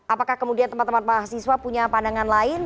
apakah kemudian teman teman mahasiswa punya pandangan lain